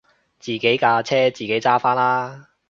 自己架車自己揸返啦